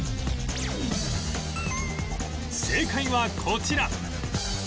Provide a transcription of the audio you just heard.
正解はこちら